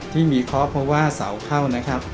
ที่มีเคราะห์เพราะว่าเสาเข้านะครับ